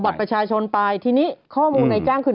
บัตรประชาชนไปทีนี้ข้อมูลในจ้างคือ